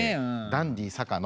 ダンディ坂野。